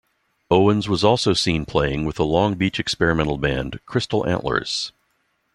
Owens was also seen playing with the Long Beach experimental band Crystal Antlers.